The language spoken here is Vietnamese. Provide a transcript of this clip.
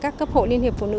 các cấp hội liên hiệp vô nữ